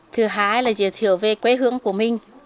thứ hai là giới thiệu về quê hương của mình